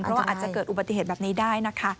เพราะว่าอาจจะเกิดอุบัติเหตุแบบนี้ได้นะคะ